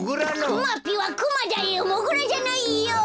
くまぴはクマだよモグラじゃないよ！